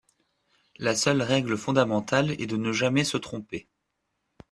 La seule règle fondamentale est de ne jamais se tromper.